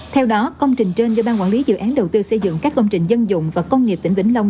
theo đó công trình trên do ban quản lý dự án đầu tư xây dựng các công trình dân dụng và công nghiệp tỉnh vĩnh long